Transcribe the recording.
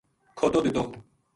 کھوتو دتو